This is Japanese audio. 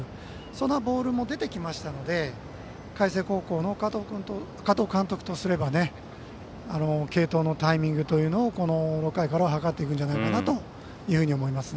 そのボールも出てきましたので海星高校の加藤監督とすれば継投のタイミングをこの６回から図っていくんじゃないかなと思います。